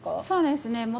そうですね